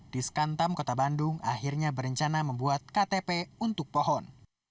di skantam kota bandung akhirnya berencana membuat ktp untuk pohon